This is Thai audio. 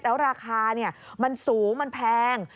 แล้วราคามันสูงมันแพง